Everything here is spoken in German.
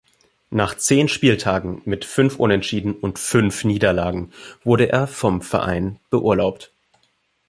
Nach zehn Spieltagen mit fünf Unentschieden und fünf Niederlagen wurde er vom Verein beurlaubt.